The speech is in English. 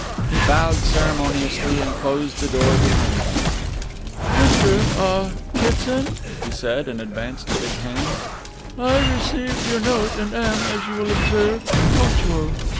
He bowed ceremoniously and closed the door behind him. "Mr. ah Kitson?" he said, and advanced a big hand. "I received your note and am, as you will observe, punctual.